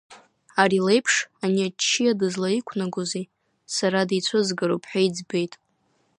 Ари леиԥш ани аччиа дызлаиқәнагозеи, сара дицәызгароуп, ҳәа иӡбеит.